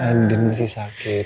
kandim masih sakit